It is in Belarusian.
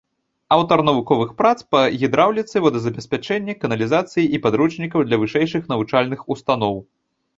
Аўтар навуковых прац па гідраўліцы, водазабеспячэнні, каналізацыі і падручнікаў для вышэйшых навучальных устаноў.